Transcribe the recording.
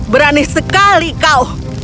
berani sekali kau